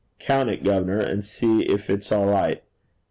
'Count it, gov'nor, and see if it's all right.